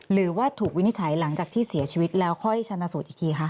หรือว่าถูกวินิจฉัยหลังจากที่เสียชีวิตแล้วค่อยชนะสูตรอีกทีคะ